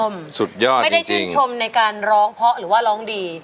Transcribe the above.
ไม่ได้ชื่นชมในการร้องเบาะหรือร้องดี